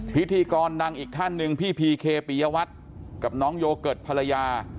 พิธีกรดังอีกท่านหนึ่งพี่พีเคปียวัตรกับน้องโยเกิร์ตภรรยา